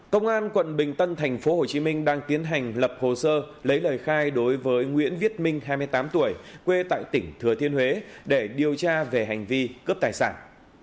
công an quận bình tân thành phố hồ chí minh đang tiến hành lập hồ sơ lấy lời khai đối với nguyễn viết minh hai mươi tám tuổi quê tại tỉnh thừa thiên huế để điều tra về hành vi cướp tài sản